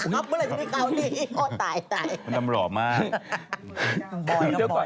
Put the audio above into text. มดดำหล่อมาก